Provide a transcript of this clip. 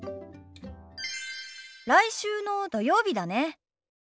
来週の土曜日だね。